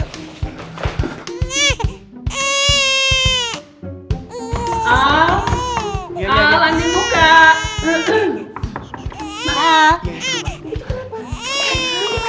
al anjing buka